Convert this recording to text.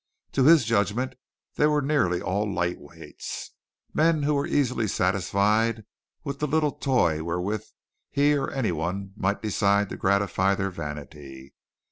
To his judgment they were nearly all lightweights, men who were easily satisfied with the little toy wherewith he or anyone might decide to gratify their vanity.